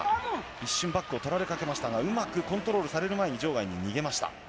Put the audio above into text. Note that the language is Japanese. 一瞬、バックを取られかけましたが、うまくコントロールされる前に場外に逃げました。